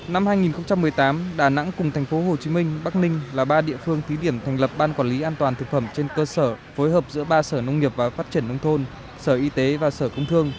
năm hai nghìn một mươi tám đà nẵng cùng tp hcm bắc ninh là ba địa phương thí điểm thành lập ban quản lý an toàn thực phẩm trên cơ sở phối hợp giữa ba sở nông nghiệp và phát triển nông thôn sở y tế và sở công thương